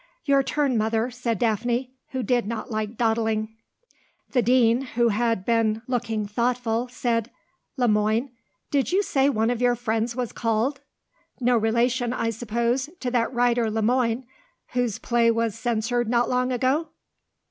"Your turn, mother," said Daphne, who did not like dawdling. The Dean, who had been looking thoughtful, said, "Le Moine, did you say one of your friends was called? No relation, I suppose, to that writer Le Moine, whose play was censored not long ago?"